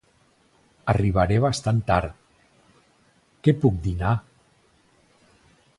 Arribaré bastant tard, què puc dinar?